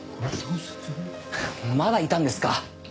まだいたんですか。